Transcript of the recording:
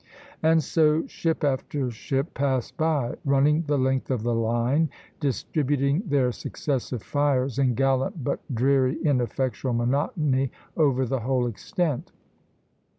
And so ship after ship passed by, running the length of the line (Plate XVIII., B, B), distributing their successive fires in gallant but dreary, ineffectual monotony over the whole extent.